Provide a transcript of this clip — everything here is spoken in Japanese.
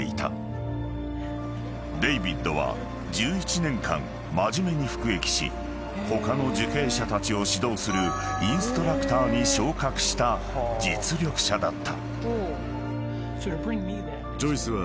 ［デイビッドは１１年間真面目に服役し他の受刑者たちを指導するインストラクターに昇格した実力者だった］